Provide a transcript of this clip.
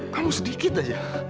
kamu sedikit aja